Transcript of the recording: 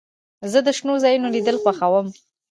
زه د شنو ځایونو لیدل خوښوم.